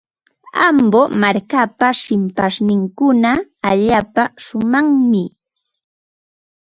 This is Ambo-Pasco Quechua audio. Ambo markapa shipashninkuna allaapa shumaqmi.